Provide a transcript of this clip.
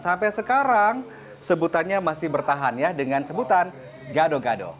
sampai sekarang sebutannya masih bertahan ya dengan sebutan gado gado